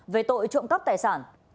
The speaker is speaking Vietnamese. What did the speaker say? về tội trộm cắp tài sản